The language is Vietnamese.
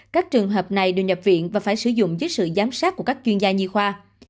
các trường hợp này được nhập viện và phải sử dụng dưới sự giám sát của các chuyên gia nhi khoa